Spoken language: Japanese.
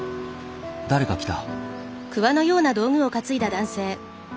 誰か来た。